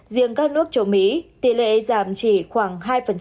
riêng các nước châu mỹ tỷ lệ giảm chỉ khoảng hai